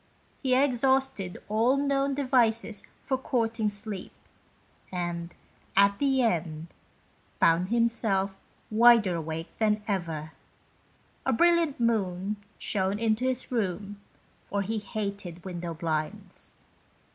He exhausted all the known devices for courting sleep, and, at the end, found himself wider awake than ever. A brilliant moon shone into his room, for he hated window blinds.